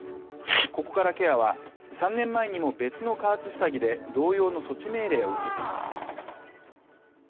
ココカラケアは３年前にも別の加圧下着で同様の措置命令を受けています。